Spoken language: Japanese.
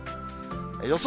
予想